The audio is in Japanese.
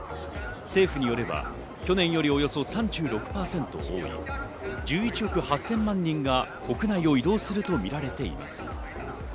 政府によれば去年よりおよそ３６％多い１１億８０００万人が国内を移動するとみられています。